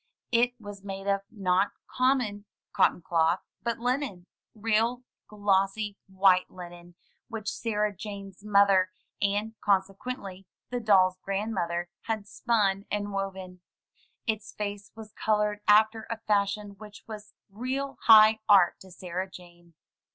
It was made of, not common cotton cloth, but linen — real, glossy, white linen — ^which Sarah Jane's mother, and consequently the doll's grandmother, had spun and woven. Its face was colored after a fashion which was real high art to Sarah Jane.